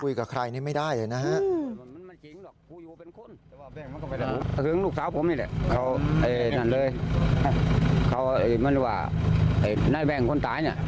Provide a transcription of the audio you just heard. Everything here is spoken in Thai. คุยกับใครนี่ไม่ได้เลยนะฮะ